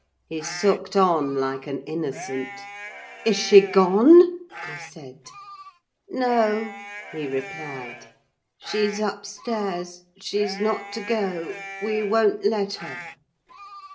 He sucked on like an innocent. "Is she gone?" I said. "No," he replied; "she's upstairs: she's not to go; we won't let her."